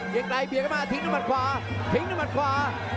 เกงไกรเพียกเข้ามาทิ้งด้วยมัดขวา